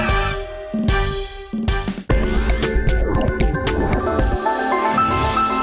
สวัสดี